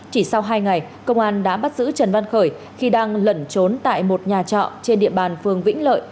chỉ sau hai ngày công an đã bắt giữ trần văn khởi khi đang lẩn trốn tại một nhà trọ trên địa bàn phường vĩnh lợi